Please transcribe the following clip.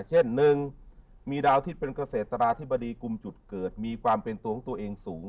เช่นหนึ่งมีดาวที่เป็นเกษตราธิบดีกลุ่มจุดเกิดมีความเป็นตัวของตัวเองสูง